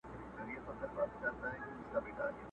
o ډوډۍ که د بل ده نس خو دي خپل دئ٫